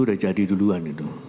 sudah jadi duluan